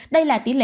đây là tỉ lệ